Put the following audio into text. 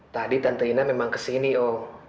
tadi tante ina memang kesini oh